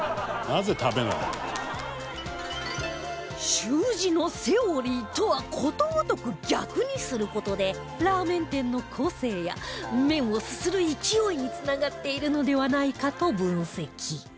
習字のセオリーとはことごとく逆にする事でラーメン店の個性や麺をすする勢いにつながってるのではないかと分析